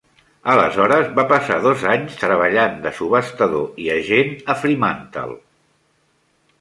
Aleshores va passar dos anys treballant de subhastador i agent a Fremantle.